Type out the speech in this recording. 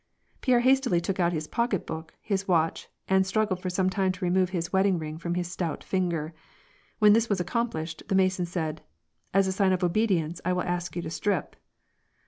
Pierre hastily took out his pocketbook, his watch, and strug gled for some time to remove his wedding ring from his stout finger. When this was accomplished, the Mason said, —" As a sign of obedience, I will ask you to strip."